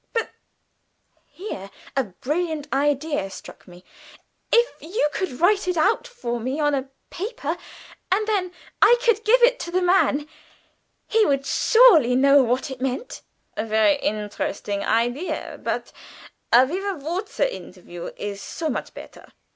But" here a brilliant idea struck me "if you could write it out for me on a paper, and then I could give it to the man: he would surely know what it meant." "A very interesting idea, but a viva voce interview is so much better."